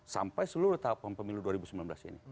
sampai seluruh tahapan pemilu dua ribu sembilan belas ini